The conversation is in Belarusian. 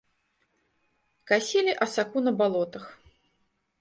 Касілі асаку на балотах.